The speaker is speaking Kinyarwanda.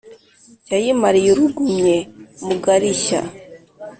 yayimariye urugumye mugarishya